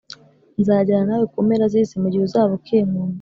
Nzajyana nawe ku mpera z’Isi mu gihe uzaba ukinkunda